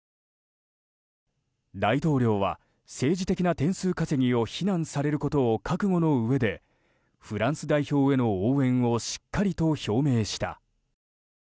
大統領は、政治的な点数稼ぎを非難されることを覚悟のうえでフランス代表への応援をしっかりと表明した。